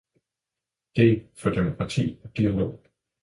D for demokrati og dialog.